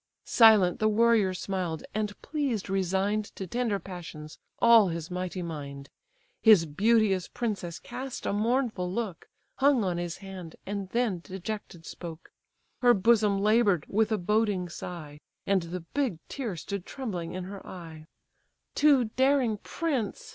Silent the warrior smiled, and pleased resign'd To tender passions all his mighty mind; His beauteous princess cast a mournful look, Hung on his hand, and then dejected spoke; Her bosom laboured with a boding sigh, And the big tear stood trembling in her eye. THE MEETING OF HECTOR AND ANDROMACHE "Too daring prince!